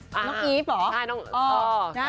กับน้องน้องอีฟเหรอ